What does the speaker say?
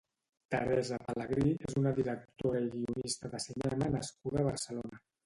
Teresa Pelegrí és una directora i guionista de cinema nascuda a Barcelona.